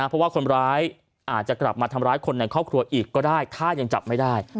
เพราะว่าคนร้ายอาจจะกลับมาทำร้ายคนในครอบครัวอีกก็ได้ถ้ายังจับไม่ได้